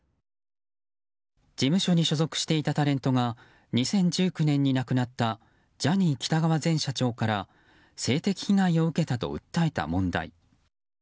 事務所に所属していたタレントが２０１９年に亡くなったジャニー喜多川前社長から性的被害を受けたと訴えた問題。